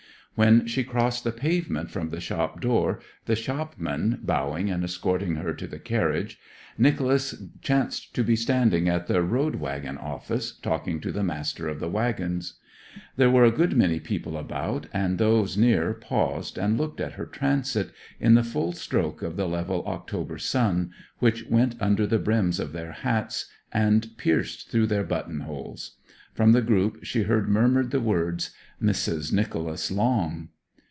When she crossed the pavement from the shop door, the shopman bowing and escorting her to the carriage, Nicholas chanced to be standing at the road waggon office, talking to the master of the waggons. There were a good many people about, and those near paused and looked at her transit, in the full stroke of the level October sun, which went under the brims of their hats, and pierced through their button holes. From the group she heard murmured the words: 'Mrs. Nicholas Long.'